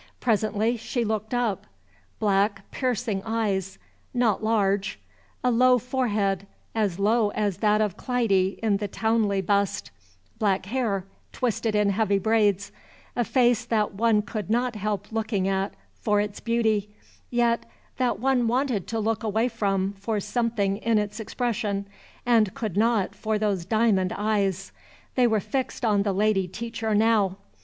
Presently she looked up. Black, piercing eyes, not large, a low forehead, as low as that of Clytie in the Townley bust, black hair, twisted in heavy braids, a face that one could not help looking at for its beauty, yet that one wanted to look away from for something in its expression, and could not for those diamond eyes. They were fixed on the lady teacher now.